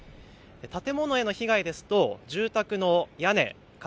建物への被害ですと住宅の屋根、壁